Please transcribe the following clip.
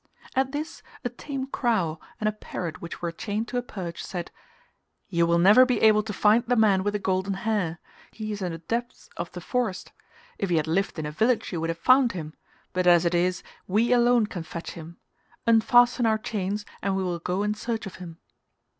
At this a tame crow and a parrot which were chained to a perch, said "You will never be able to find the man with the golden hair; he is in the depths of the forest; if he had lived in a village you would have found him, but as it is we alone can fetch him; unfasten our chains and we will go in search of him."